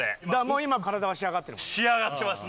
もう今体は仕上がってる？